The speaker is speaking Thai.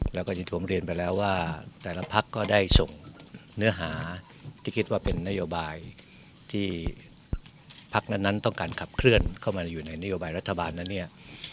แล้วก็อย่างที่ผมเรียนไปแล้วว่าแต่ละพักก็ได้ส่งเนื้อหาที่คิดว่าเป็นนโยบายที่พักนั้นต้องการขับเคลื่อนเข้ามาอยู่ในนโยบายรัฐบาลนั้นเนี่ย